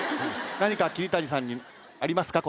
何か桐谷さんにありますか？